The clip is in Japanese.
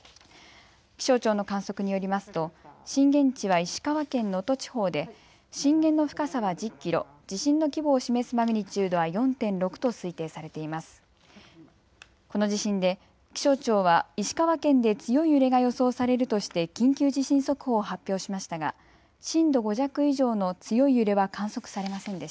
気象庁の観測によりますと震源地は石川県能登地方で震源の深さは１０キロ、地震の規模を示すマグニチュードは４．６と推定されています。